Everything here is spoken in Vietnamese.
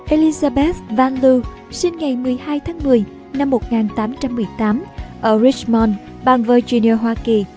elizabeth van loo sinh ngày một mươi hai tháng một mươi năm một nghìn tám trăm một mươi tám ở richmond bang virginia hoa kỳ